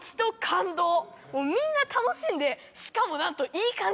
みんな楽しんでしかもなんと。